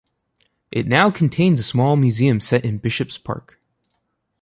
It now contains a small museum set in Bishop's Park.